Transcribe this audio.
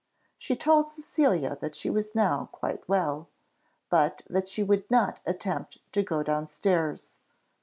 She told Cecilia that she was now quite well, but that she would not attempt to go down stairs.